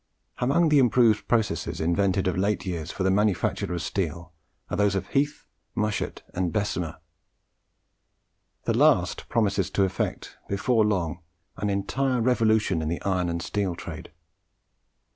Among the improved processes invented of late years for the manufacture of steel are those of Heath, Mushet, and Bessemer. The last promises to effect before long an entire revolution in the iron and steel trade.